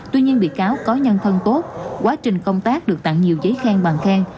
tuy nhiên bị cáo có nhân thân tốt quá trình công tác được tặng nhiều giấy khen bằng khen